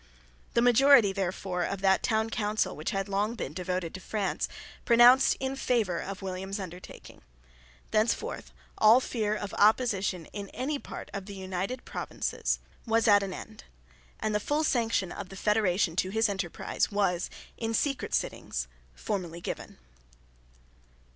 The majority, therefore, of that town council which had long been devoted to France pronounced in favour of William's undertaking. Thenceforth all fear of opposition in any part of the United Provinces was at an end; and the full sanction of the federation to his enterprise was, in secret sittings, formally given.